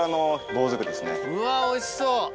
うわおいしそう。